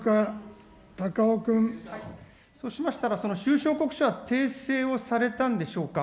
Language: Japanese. そうしましたら、その収支報告書は訂正をされたんでしょうか。